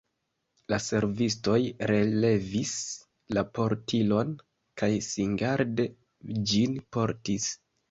La servistoj relevis la portilon kaj singarde ĝin portis.